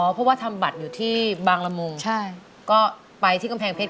เพราะว่าทำบัตรอยู่ที่บางละมุงก็ไปที่กำแพงเพชร